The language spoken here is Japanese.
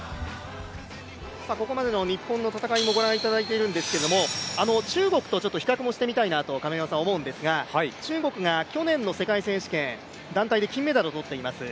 ここまでの日本の戦いもご覧いただいているんですけども、中国と比較もしてみたいなと思うんですが、中国が去年の世界選手権、団体で金メダルを取っています。